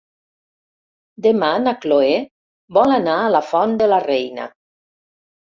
Demà na Cloè vol anar a la Font de la Reina.